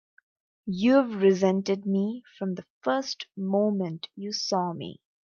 You've resented me from the first moment you saw me!